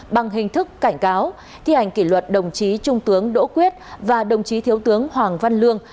bằng hình thức cảnh cáo thi hành kỷ luật đồng chí trung tướng đỗ quyết và đồng chí thiếu tướng hoàng văn lương